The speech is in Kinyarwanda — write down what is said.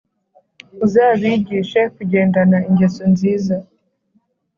Uzabigishe kugendana ingeso nziza